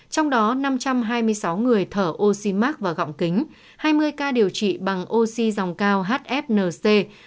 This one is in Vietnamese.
trong đó năm trăm hai mươi sáu người thở oxy mark và gọng kính hai mươi ca điều trị bằng oxy dòng cao hfnc